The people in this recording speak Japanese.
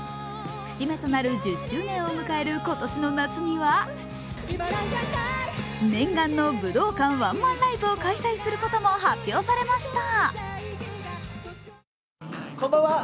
節目となる１０周年を迎える今年の夏には念願の武道館ワンマンライブを開催することも発表されました。